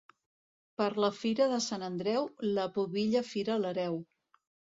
Per la fira de Sant Andreu, la pubilla fira l'hereu.